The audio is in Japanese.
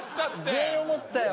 全員思ったよ。